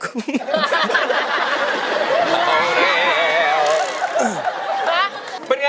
สำหรับทุกค่ะ